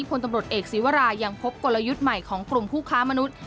พลตำรวจเอกศีวรายังพบกลยุทธ์ใหม่ของกลุ่มผู้ค้ามนุษย์